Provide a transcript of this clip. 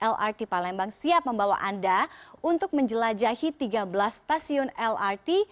lrt palembang siap membawa anda untuk menjelajahi tiga belas stasiun lrt